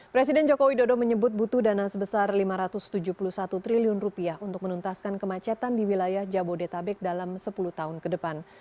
presiden jokowi dodo menyebut butuh dana sebesar rp lima ratus tujuh puluh satu triliun untuk menuntaskan kemacetan di wilayah jabodetabek dalam sepuluh tahun ke depan